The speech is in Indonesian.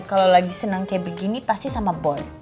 kalau lagi senang kayak begini pasti sama bond